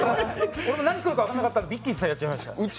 俺も何するか分からなかったからウィッキーさんやっちゃいました。